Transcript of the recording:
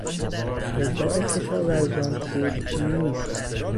اوضاع کشاورزان خوب نیست.